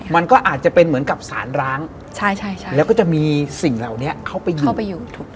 มันก็อาจจะเป็นเหมือนกับสาร้างแล้วก็จะมีสิ่งเหล่านี้เข้าไปอยู่